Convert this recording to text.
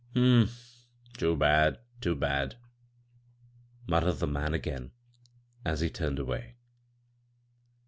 " Hm m ; too bad, too bad 1 " muttered the man again, as he turned away.